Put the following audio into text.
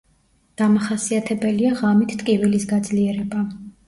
დამახასიათებელია ღამით ტკივილის გაძლიერება.